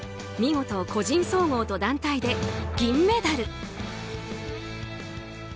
見事、個人総合と団体で銀メダル。